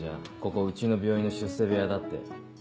ここうちの病院の出世部屋だって。